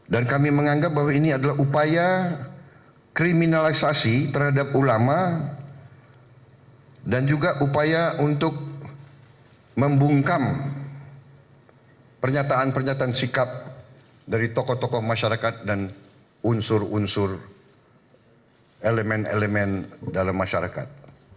dan kami menganggap bahwa ini adalah upaya kriminalisasi terhadap ulama dan juga upaya untuk membungkam pernyataan pernyataan sikap dari tokoh tokoh masyarakat dan unsur unsur elemen elemen dalam masyarakat